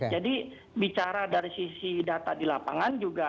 jadi bicara dari sisi data di lapangan juga